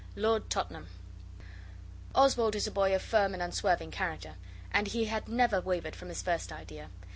LORD TOTTENHAM Oswald is a boy of firm and unswerving character, and he had never wavered from his first idea.